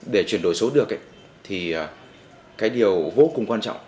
để chuyển đổi số được thì cái điều vô cùng quan trọng